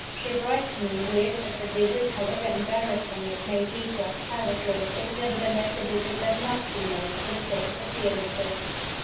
She writes me word that the visit, however embarrassing it may be to us privately, is nevertheless a visit that must be made for the sake of appearances.